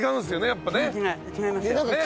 やっぱね。